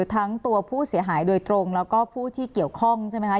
ทั้งตัวผู้เสียหายโดยตรงแล้วก็ผู้ที่เกี่ยวข้องใช่ไหมคะ